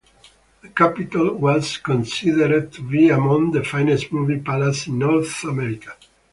The Capitol was considered to be among the finest movie palaces in North America.